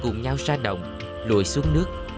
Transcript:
cùng nhau ra đồng lùi xuống nước